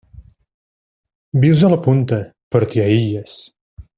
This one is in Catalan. Vius a la Punta però t’hi aïlles.